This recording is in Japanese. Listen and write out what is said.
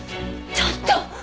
ちょっと！